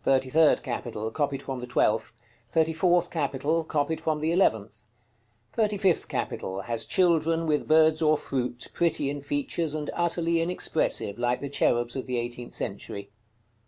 THIRTY THIRD CAPITAL. Copied from the twelfth. THIRTY FOURTH CAPITAL. Copied from the eleventh. THIRTY FIFTH CAPITAL. Has children, with birds or fruit, pretty in features, and utterly inexpressive, like the cherubs of the eighteenth century.